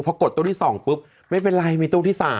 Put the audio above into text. เพราะกดตู้๒ไว้ปุ๊บไม่เป็นไรมีตู้๓